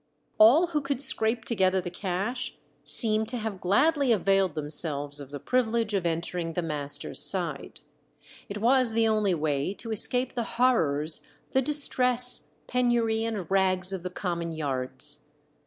All who could scrape together the cash seem to have gladly availed themselves of the privilege of entering the master's side. It was the only way to escape the horrors, the distress, penury, and rags of the common yards.